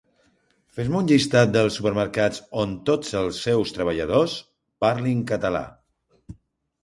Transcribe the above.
Fes-me un llistat dels supermercats on tots els seus treballadors parlin català